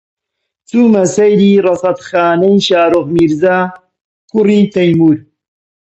چوومە سەیری ڕەسەدخانەی شاروخ میرزا، کوڕی تەیموور